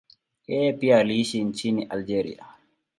Yeye pia aliishi nchini Algeria.